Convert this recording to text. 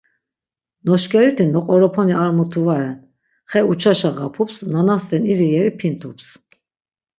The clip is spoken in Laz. Noşkeriti noqoroponi ar mutu va ren. Xe uçaşa ğapups, na nasven iri yeri pintups .